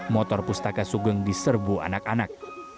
motor pustaka sugeng diserbu anak anak